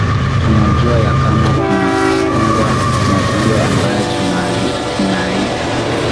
tunajua ya kama kunakuwa na hiyo ambayo tunaita